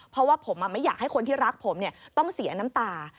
เพราะว่าผมไม่อยากให้คนที่รักผมต้องเสียน้ำตา